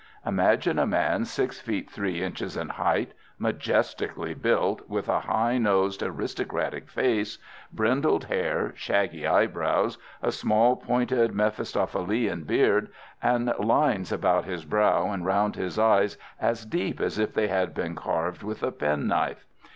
Imagine a man six feet three inches in height, majestically built, with a high nosed, aristocratic face, brindled hair, shaggy eyebrows, a small, pointed Mephistophelian beard, and lines upon his brow and round his eyes as deep as if they had been carved with a penknife.